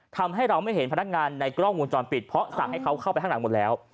ทำให้เราไม่เห็นพนักงานในกล้องวงจรปิดเพราะสั่งให้เขาเข้าไปข้างหลังหมดแล้ว